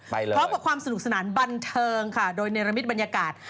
พร้อมกับความสนุกสนานบันเทิงค่ะโดยเนรมิตบรรยากาศ